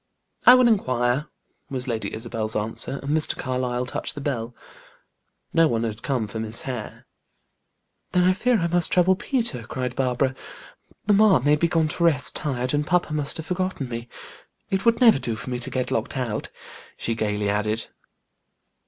"I will inquire," was Lady Isabel's answer, and Mr. Carlyle touched the bell. No one had come for Miss Hare. "Then I fear I must trouble Peter," cried Barbara. "Mamma may be gone to rest, tired, and papa must have forgotten me. It would never do for me to get locked out," she gaily added.